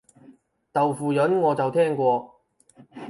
豆腐膶我就聽過